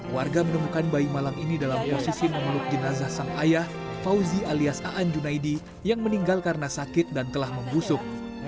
warga menemukan bayi malam ini dalam posisi memeluk jenazah sang ayah fauzi alias aan junaidi yang meninggal karena sakit dan telah membusuk